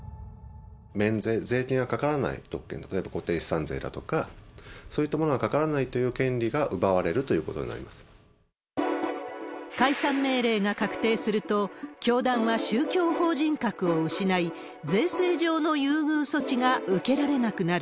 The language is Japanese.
免税、税金がかからない特権、例えば固定資産税だとか、そういったものがかからないという権利が奪われるということにな解散命令が確定すると、教団は宗教法人格を失い、税制上の優遇措置が受けられなくなる。